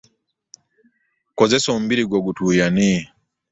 Kozesa omubiiri gwo gutuuyane.